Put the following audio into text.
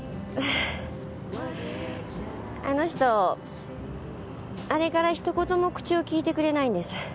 あの人あれからひと言も口を利いてくれないんです。